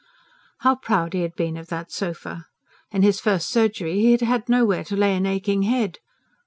How proud he had been of that sofa! In his first surgery he had had nowhere to lay an aching head.